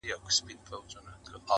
o سل دي ومره، يو دي مه مره٫